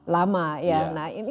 lama nah ini